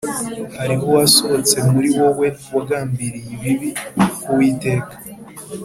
Hariho uwasohotse muri wowe wagambiriye ibibi ku Uwiteka